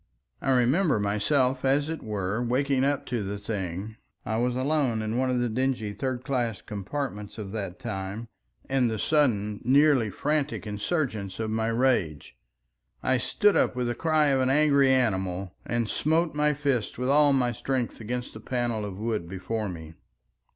I remember myself as it were waking up to the thing—I was alone in one of the dingy "third class" compartments of that time—and the sudden nearly frantic insurgence of my rage. I stood up with the cry of an angry animal, and smote my fist with all my strength against the panel of wood before me.